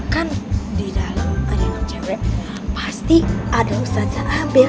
kan di dalam adek adek cewek pasti ada ustazah abel